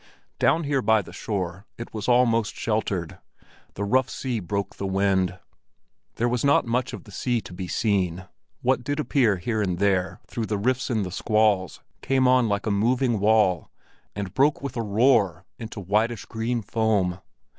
Down here by the shore it was almost sheltered; the rough sea broke the wind. There was not much of the sea to be seen; what did appear here and there through the rifts in the squalls came on like a moving wall and broke with a roar into whitish green foam.